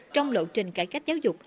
trong lộ trình cải cách giáo dục